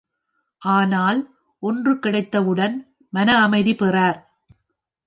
ஆனால், ஒன்று கிடைத்தவுடன் மன அமைதி பெறார்.